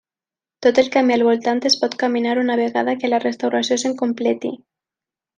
Tot el camí al voltant es pot caminar una vegada que la restauració se'n completi.